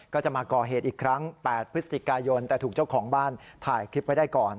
ก็จะมาก่อเหตุอีกครั้ง๘พฤศจิกายนแต่ถูกเจ้าของบ้านถ่ายคลิปไว้ได้ก่อน